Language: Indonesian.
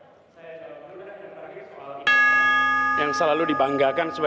saya jokowi nurman dan saya rangga soal